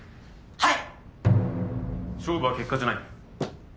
はい！